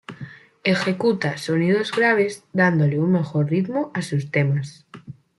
Ejecuta sonidos graves, dándole un mejor ritmo a sus temas.